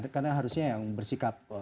karena harusnya yang bersikap